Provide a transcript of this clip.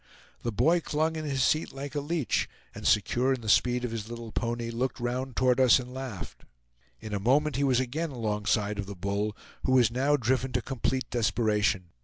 The boy clung in his seat like a leech, and secure in the speed of his little pony, looked round toward us and laughed. In a moment he was again alongside of the bull, who was now driven to complete desperation.